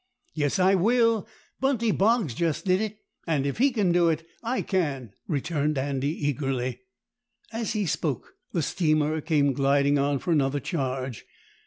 "Yes, I will. Buntie Boggs just did it, and if he can do it, I can," returned Andy eagerly. As he spoke, the steamer came gliding on for another charge.